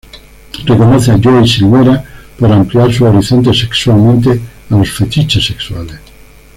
Reconoce a Joey Silvera por ampliar sus horizontes sexualmente a los fetiches sexuales.